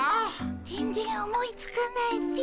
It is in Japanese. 全然思いつかないっピ。